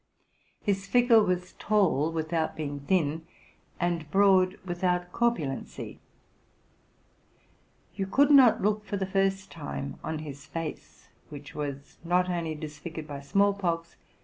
His figure was tall without being thin, and broad without corpulency. You could not look, for the first time, on his face, which was not only disfigured by small pox, 1 Eyes, not hands.